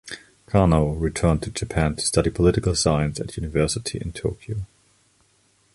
Kano returned to Japan to study Political Science at university in Tokyo.